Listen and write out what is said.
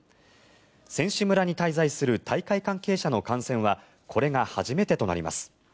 選手村に滞在する大会関係者の感染はこれが初めてとなります。